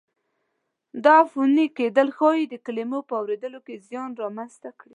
دا عفوني کېدل ښایي د کلمو په اورېدو کې زیان را منځته کړي.